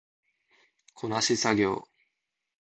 こなし作業